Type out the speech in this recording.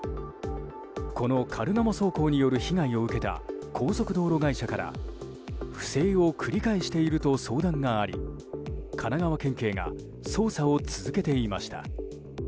このカルガモ走行による被害を受けた高速道路会社から不正を繰り返していると相談があり神奈川県警が捜査を続けていました。